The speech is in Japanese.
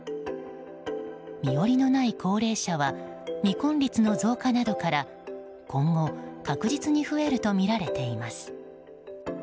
身寄りのない高齢者は未婚率の増加などから今後、確実に増えるとみられています。